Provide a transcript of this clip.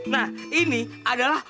nah ini adalah